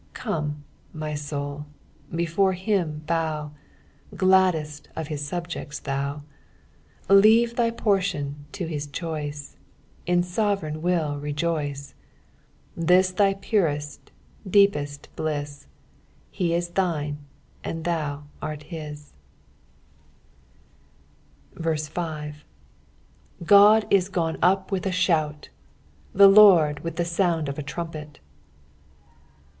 Come, my Boul, befure him bow, Gladdest ol hln Bubjecls tliou ; Leave Uiy portion to bis clioli:e, Iti his sovereign will rejoice, Tbia thy purest, deepest bliss, H« is Uiiue tkud ttiou art Ms." 5 God is gone up with a shout, the LORD with the sound of a trumpet.